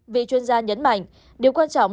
vị chuyên gia nhấn mạnh điều quan trọng